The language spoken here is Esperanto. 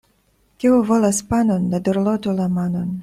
Kiu volas panon, ne dorlotu la manon.